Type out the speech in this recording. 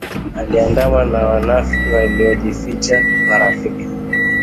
Aliandamwa na wanafiki waliojifanya marafiki